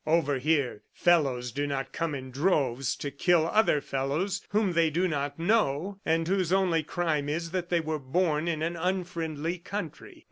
Over here, fellows do not come in droves to kill other fellows whom they do not know and whose only crime is that they were born in an unfriendly country.